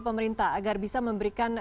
pemerintah agar bisa memberikan